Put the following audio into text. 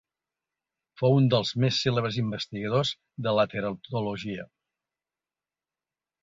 Fou un dels més cèlebres investigadors de la teratologia.